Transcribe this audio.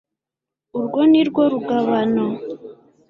urwo ni rwo rugabano